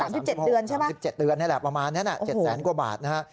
๓๗เดือนใช่ปะ๓๗เดือนนี่แหละประมาณนั้นนะ๗๐๐๐๐๐กว่าบาทนะฮะ